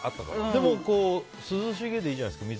でも、涼しげでいいじゃないですか。